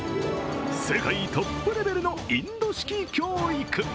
世界トップレベルのインド式教育。